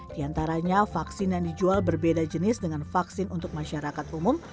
di antaranya vaksin yang dijual berbeda jenis dengan vaksin untuk masyarakat umum